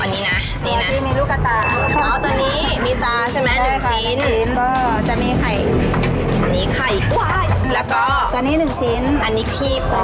อันนี้คือปะ